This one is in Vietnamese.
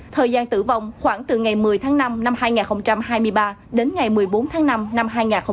thời gian tử vong khoảng từ ngày một mươi tháng năm năm hai nghìn hai mươi ba đến ngày một mươi bốn tháng năm năm hai nghìn hai mươi ba